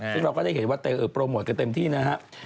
ซึ่งเราก็ได้เห็นว่าโปรโมทกันเต็มที่นะครับ